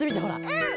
うん。